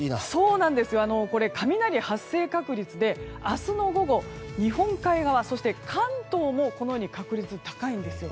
これ、雷発生確率で明日の午後、日本海側そして関東も確率が高いんですよ。